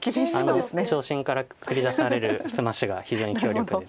あの長身から繰り出されるスマッシュが非常に強力です。